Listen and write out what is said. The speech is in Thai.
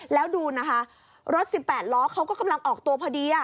แล้วดูนะคะรถ๑๘ล้อเขาก็กำลังออกตัวพอดี